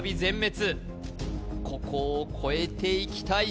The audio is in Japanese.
ここをこえていきたい